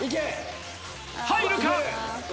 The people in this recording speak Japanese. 入るか？